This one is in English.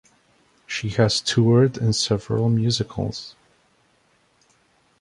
She has toured in several musicals.